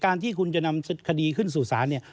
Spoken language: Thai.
ที่คุณจะนำคดีขึ้นสู่ศาลเนี่ย